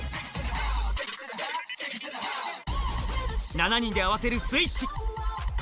７人で合わせるスイッチ